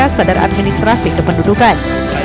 dan juga dalam melayani administrasi kependudukan